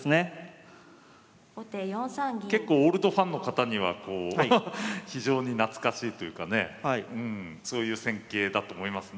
結構オールドファンの方には非常に懐かしいというかねそういう戦型だと思いますね。